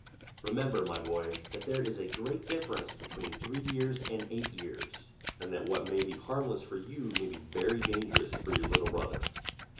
Remember, my boy, that there is a great difference between three years and eight years, and that what may be harmless for you may be very dangerous for your little brother."